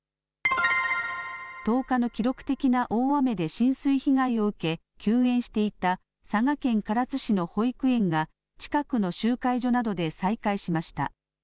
１０日の記録的な大雨で浸水被害を受け、休園していた佐賀県唐津市の保育園が、近くの集会所などで再開しました。